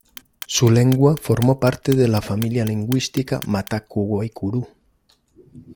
Su lengua formó parte de la familia lingüística mataco-guaicurú.